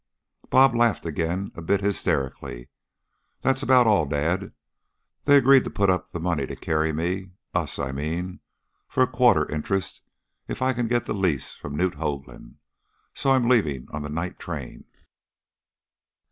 "Bob" laughed again, a bit hysterically. "That's about all, dad. They agreed to put up the money and carry me us, I mean for a quarter interest if I can get the lease from Knute Hoaglund. So, I'm leaving on the night train."